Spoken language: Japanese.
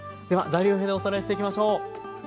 では材料表でおさらいしていきましょう。